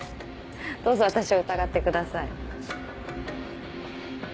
どうぞ私を疑ってください。